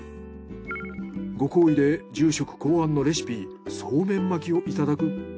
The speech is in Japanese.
ご厚意で住職考案のレシピそうめん巻きをいただく。